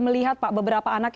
melihat pak beberapa anak